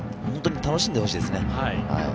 本当に楽しんでほしいですね。